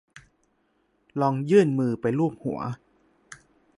ลองยื่นมือไปลูบหัว